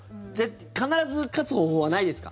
必ず勝つ方法はないですか？